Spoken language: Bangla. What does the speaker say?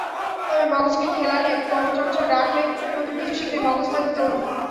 তবে মগজকে খেলালে, কর্মচঞ্চল রাখলে, নতুন কিছু শিখলে মগজ থাকবে তরুণ।